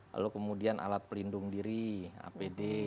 lalu kemudian alat pelindung diri apd